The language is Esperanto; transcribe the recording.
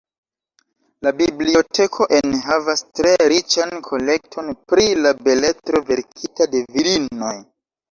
La biblioteko enhavas tre riĉan kolekton pri la beletro verkita de virinoj.